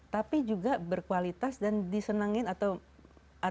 tapi juga berkualitas dan disenangkan atau disenangkan